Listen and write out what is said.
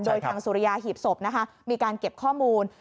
โดยทางสุริยาหีบศพนะคะมีการเก็บข้อมูล